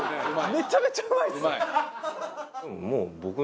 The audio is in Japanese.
めちゃめちゃうまいんですよ。